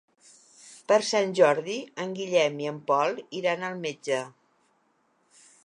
Per Sant Jordi en Guillem i en Pol iran al metge.